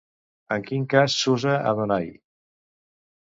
En quin cas s'usa Adonai?